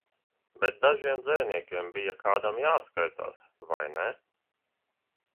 Bet dažiem dzejniekiem bija kādam jāatskaitās, vai ne?